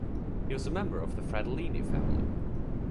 He was a member of the Fratellini Family.